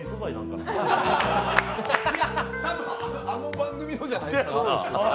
あの番組のじゃないですか？